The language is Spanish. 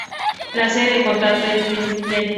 La sede del condado es Fordyce.